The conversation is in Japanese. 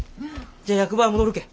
じゃあ役場戻るけん。